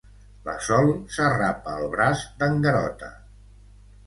La Sol s'arrapa al braç d'en Garota.